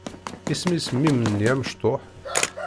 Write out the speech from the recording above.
Isem-is mmi-m-nni amectuḥ?